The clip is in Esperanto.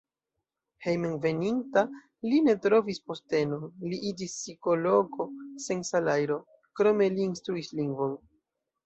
Hejmenveninta li ne trovis postenon, li iĝis psikologo sen salajro, krome li instruis lingvon.